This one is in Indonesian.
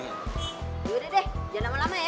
udah deh jangan lama lama ya